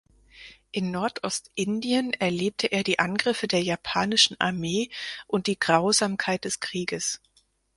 In Nordostindien erlebte er die Angriffe der japanischen Armee und die Grausamkeit des Krieges.